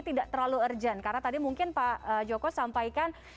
tidak terlalu urgent karena tadi mungkin pak joko sampaikan